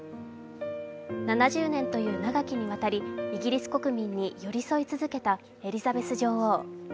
７０年という長きにわたりイギリス国民に寄り添い続けたエリザベス女王。